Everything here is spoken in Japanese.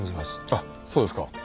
あっそうですか。